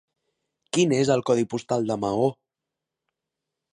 Quin és el codi postal de Maó?